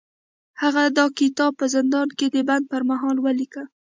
هغه دا کتاب په زندان کې د بند پر مهال ولیکه